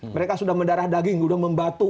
mereka sudah mendarah daging sudah membatu